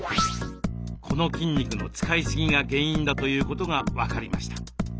この筋肉の使いすぎが原因だということが分かりました。